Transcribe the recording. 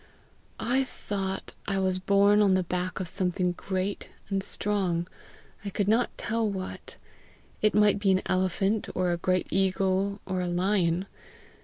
"I thought I was home on the back of something great and strong I could not tell what; it might be an elephant or a great eagle or a lion.